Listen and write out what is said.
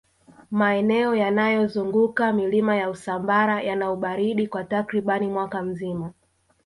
maeneo yanayozunguka milima ya usambara yana ubaridi kwa takribani mwaka mzima